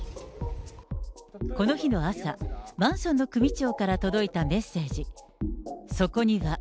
この日の朝、マンションの組長から届いたメッセージ。